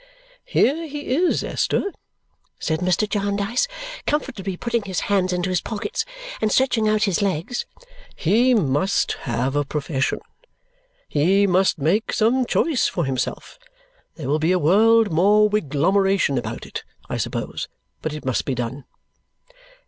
"Here he is, Esther," said Mr. Jarndyce, comfortably putting his hands into his pockets and stretching out his legs. "He must have a profession; he must make some choice for himself. There will be a world more wiglomeration about it, I suppose, but it must be done."